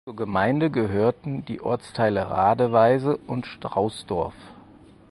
Zur Gemeinde gehörten die Ortsteile Radeweise und Straußdorf.